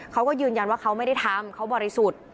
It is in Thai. เขาก็ยืนยันว่าเขาไม่ได้ทำเขาบริสุทธิ์